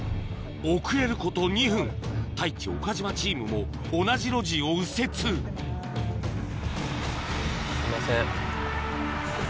遅れること２分太一・岡島チームも同じ路地を右折すいません。